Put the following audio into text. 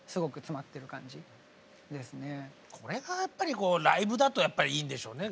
これがやっぱりライブだとやっぱりいいんでしょうね。